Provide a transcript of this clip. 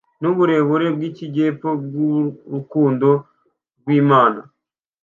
n uburebure bg ikijyepfo bg urukundo rwlmana